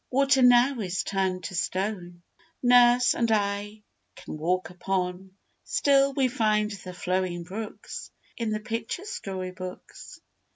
Water now is turned to stone Nurse and I can walk upon; Still we find the flowing brooks In the picture story books.